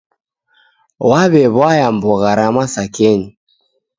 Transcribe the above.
W'aw'ew'aya mbogha ra masakenyi.